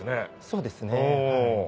そうですねはい。